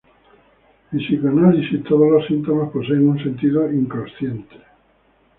En psicoanálisis, todos los síntomas poseen un sentido inconsciente.